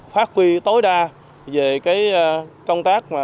phát huy tối đa về cái công tác